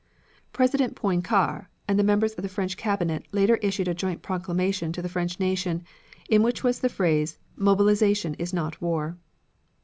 President Poincare and the members of the French cabinet later issued a joint proclamation to the French nation in which was the phrase "mobilization is not war."